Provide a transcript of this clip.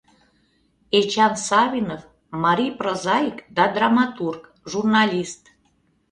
Эчан — Савинов, марий прозаик да драматург, журналист.